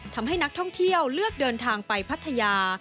ทำให้นักท่องเที่ยวเลือกเดินทางไปพัทยา